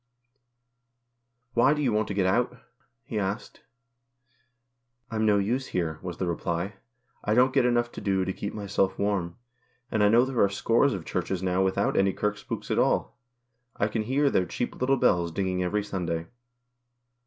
"Why do you want to get out?" he asked. "I'm no use here," was the reply, "I don't get enough to do to keep myself warm. And I know there are scores of Churches now without any kirk spooks at all. I can hear their cheap little bells dinging every Sunday."